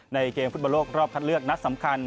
ในเกมฟุตบอลโลกรอบคัดเลือกนัดสำคัญ